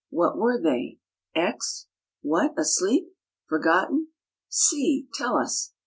What were they, X? What! asleep? Forgotten? C, tell us."